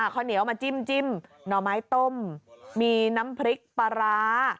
ข้าวเหนียวมาจิ้มหน่อไม้ต้มมีน้ำพริกปลาร้า